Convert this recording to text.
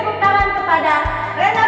kita ga kecil